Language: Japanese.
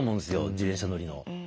自転車乗りの。